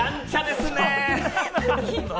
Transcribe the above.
やんちゃですね。